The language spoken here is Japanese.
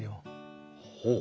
ほう。